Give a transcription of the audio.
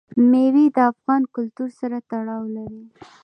مېوې د افغان کلتور سره تړاو لري.